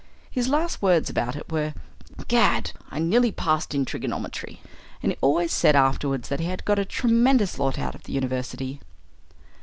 His last words about it were, "Gad! I nearly passed in trigonometry!" and he always said afterwards that he had got a tremendous lot out of the university.